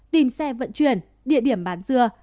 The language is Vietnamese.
tìm xe vận chuyển địa điểm bán dưa